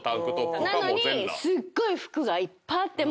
なのにすっごい服がいっぱいあって。